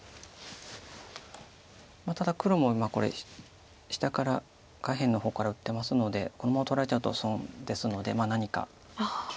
ただ黒も今これ下から下辺の方から打ってますのでこのまま取られちゃうと損ですので何か。